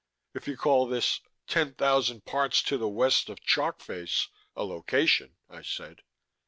"If you call this 'ten thousand parts to the west of chalk face' a location," I said.